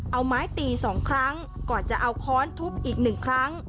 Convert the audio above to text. เอาไม้ตีสองครั้งก็จะเอาค้อนทุบอีกหนึ่งครั้ง